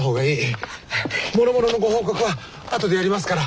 もろもろのご報告はあとでやりますから。